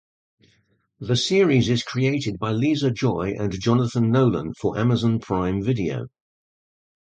The series is created by Lisa Joy and Jonathan Nolan for Amazon Prime Video.